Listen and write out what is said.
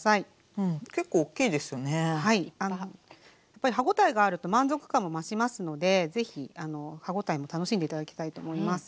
やっぱり歯応えがあると満足感も増しますので是非歯応えも楽しんで頂きたいと思います。